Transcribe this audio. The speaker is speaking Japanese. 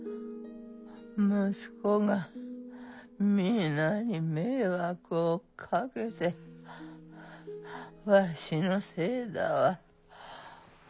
息子が皆に迷惑をかけてハアハアわしのせいだわ。